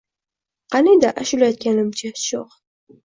Qaniydi ashula aytganimcha sho‘x